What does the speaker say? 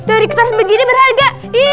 dari keteras begini berharga